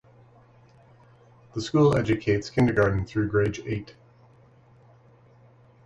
The school educates grades kindergarten through grade eight.